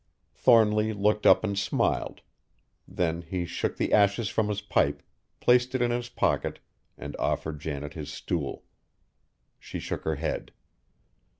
Thornly looked up and smiled; then he shook the ashes from his pipe, placed it in his pocket, and offered Janet his stool. She shook her head.